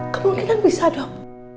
kemungkinan bisa dok